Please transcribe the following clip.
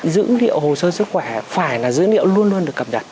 dữ liệu hồ sơ sức khỏe phải là dữ liệu luôn luôn được cập nhật